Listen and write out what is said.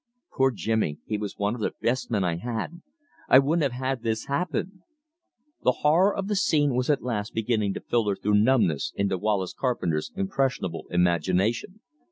Poor Jimmy. He was one of the best men I had. I wouldn't have had this happen " The horror of the scene was at last beginning to filter through numbness into Wallace Carpenter's impressionable imagination.